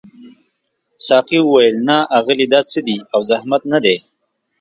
ساقي وویل نه اغلې دا څه دي او زحمت نه دی.